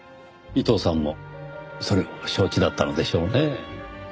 伊藤さんもそれを承知だったのでしょうねぇ。